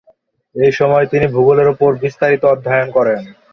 এই সময়ে তিনি ভূগোলের উপর বিস্তারিত অধ্যায়ন করেন।